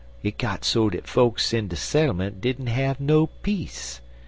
Hit got so dat fokes in de settlement didn't have no peace.